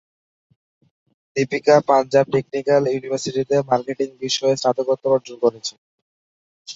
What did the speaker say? Deepika Punjab technical ইউনিভার্সিটিতে marketing বিষয়ে স্নাতকোত্তর অর্জন করেছেন।